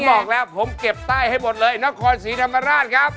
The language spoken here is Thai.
บอกแล้วผมเก็บใต้ให้หมดเลยนครศรีธรรมราชครับ